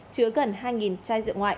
chứa gần hai chai rượu ngoại